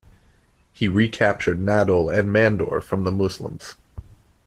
He recaptured Nadol and Mandor from the Muslims.